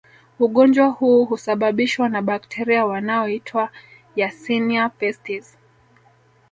Ugonjwa huu husababishwa na bakteria wanaoitwa Yersinia pestis